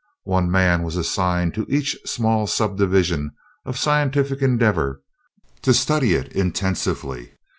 One man was assigned to each small subdivision of scientific endeavor, to study it intensively.